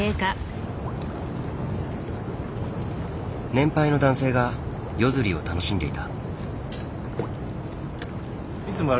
年配の男性が夜釣りを楽しんでいた。